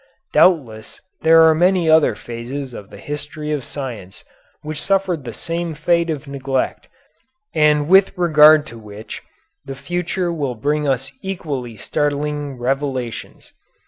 Doubtless there are many other phases of the history of science which suffered the same fate of neglect and with regard to which the future will bring us equally startling revelations.